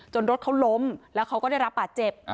รถเขาล้มแล้วเขาก็ได้รับบาดเจ็บ